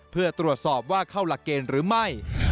เพื่อตรวจสอบว่าเข้าหลักเกณฑ์หรือไม่